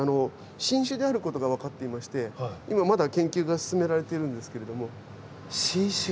新種であることが分かっていまして今まだ研究が進められているんですけれども。